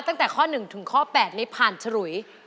ตั้งแต่ข้อหนึ่งถึงข้อแปดไม่ผ่านถรุย